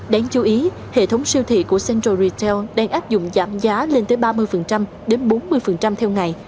đáng chú ý hệ thống siêu thị của central retail đang áp dụng giảm giá lên tới ba mươi đến bốn mươi theo ngày